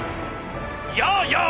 やあやあ